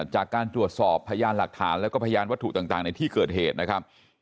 จากการตรวจสอบพยานหลักฐานแล้วก็พยานวัตถุต่างในที่เกิดเหตุนะครับ